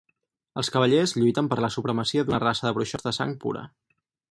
Ela cavallers lluiten per la supremacia d'una raça de bruixots de sang pura.